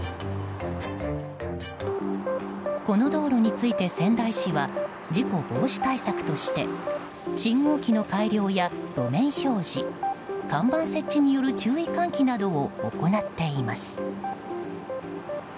この道路について仙台市は事故防止対策として信号機の改良や路面表示看板設置による注意喚起などを行っています。